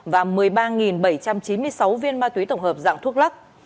và một mươi ba bảy trăm chín mươi sáu viên ma túy tổng hợp dạng thuốc lắc